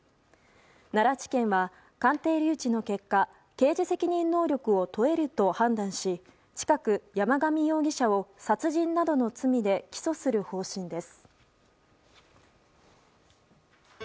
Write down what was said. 奈良地検は鑑定留置の結果刑事責任能力を問えると判断し近く、山上容疑者を殺人などの罪で起訴する方針です。